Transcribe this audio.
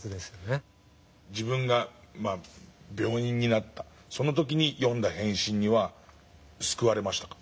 自分が病人になった時に読んだ「変身」には救われましたか？